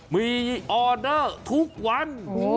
มีออเดอร์ทุกวัน